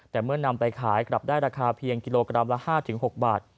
แต่เมื่อนำไปขายกลับได้ราคาเพียงกิโลกรัมละ๕๖บาท